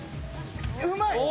うまい！